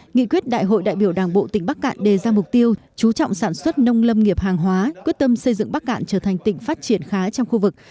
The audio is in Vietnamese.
nghị quyết đại hội đại biểu đảng bộ tỉnh bắc cạn đề ra mục tiêu chú trọng sản xuất nông lâm nghiệp hàng hóa quyết tâm xây dựng bắc cạn trở thành tỉnh phát triển khá trong khu vực